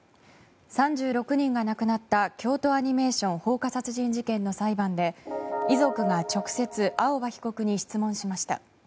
３６人が亡くなった京都アニメーション放火殺人事件の裁判で遺族が直接青葉被告に質問しました。